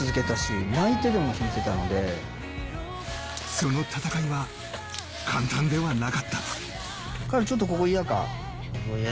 その闘いは簡単ではなかった。